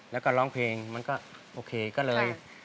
แล้วก็ร้องเพลงมันก็โอเคก็เลย